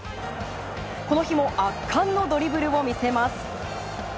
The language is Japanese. この日も圧巻のドリブルを見せます。